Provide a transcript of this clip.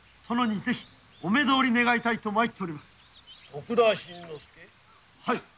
徳田新之助？